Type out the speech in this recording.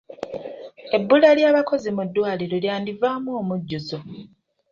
Ebbula ly'abakozi mu ddwaliro lyandivaamu omujjuzo.